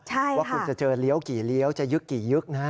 ใช่ว่าคุณจะเจอเลี้ยวกี่เลี้ยวจะยึกกี่ยึกนะฮะ